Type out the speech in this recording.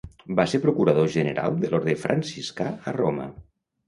Va ser procurador general de l'orde franciscà a Roma.